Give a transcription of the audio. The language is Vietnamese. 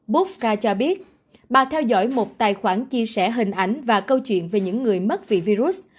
boodca cho biết bà theo dõi một tài khoản chia sẻ hình ảnh và câu chuyện về những người mất vì virus